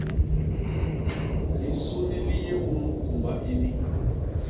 Lisuni li yé munu kumba ini.